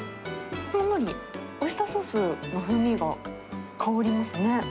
ほんのりオイスターソースの風味が香りますね。